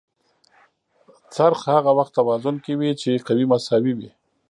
څرخ هغه وخت توازن کې وي چې قوې مساوي وي.